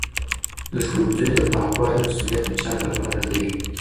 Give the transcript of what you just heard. د ښوونځیو د پاکوالي مسوولیت د چا پر غاړه دی؟